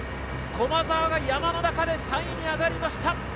駒澤が山の中で３位に上がりました。